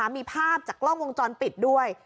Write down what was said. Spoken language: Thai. มีภาพจากกล้องวงจรปิดด้วย